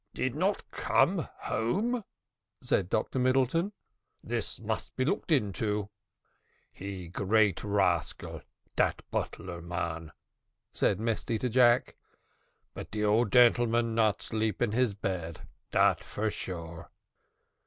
"Did not come home!" said Dr Middleton, "this must be looked to." "He great rascal dat butler man," said Mesty to Jack; "but de old gentleman not sleep in his bed, dat for sure."